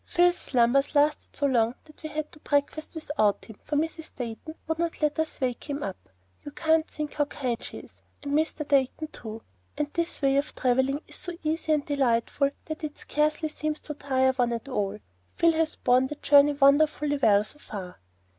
Phil's slumbers lasted so long that we had to breakfast without him, for Mrs. Dayton would not let us wake him up. You can't think how kind she is, and Mr. Dayton too; and this way of travelling is so easy and delightful that it scarcely seems to tire one at all. Phil has borne the journey wonderfully well so far."